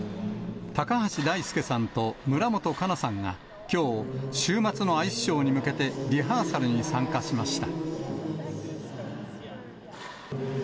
高橋大輔さんと村元哉中さんが、きょう、週末のアイスショーに向けて、リハーサルに参加しました。